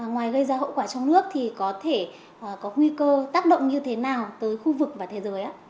ngoài gây ra hậu quả trong nước thì có thể có nguy cơ tác động như thế nào tới khu vực và thế giới